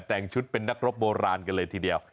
แต่งชุดเป็นนักรบโบราณกันเลยทีเดียว